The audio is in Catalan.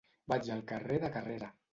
Vaig al carrer de Carrera.